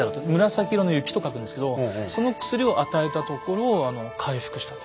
「紫色の雪」と書くんですけどその薬を与えたところ回復したと。